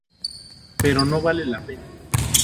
Pero no vale la pena.